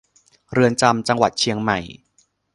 เรือนจำจังหวัดเชียงใหม่